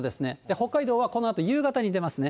北海道はこのあと夕方に出ますね。